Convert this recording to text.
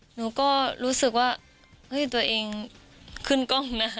หนูก็รู้สึกว่าเฮ้ยตัวเองขึ้นกล้องนะคะ